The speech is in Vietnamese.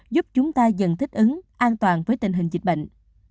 giúp chúng ta dần thích ứng an toàn với tình hình dịch bệnh